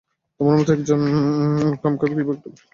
তোমার মতো একজন কামপাপী কিভাবে একটা ভালো মেয়ে হয়ে গেলো?